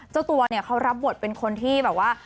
เจ้าตัวเนี่ยเขารับบทเป็นคนที่แบบว่า